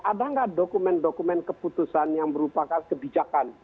ada nggak dokumen dokumen keputusan yang merupakan kebijakan